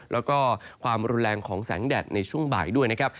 แล้วก็ความรุนแรงของแสงแดดในช่วงบ่ายด้วยนะครับ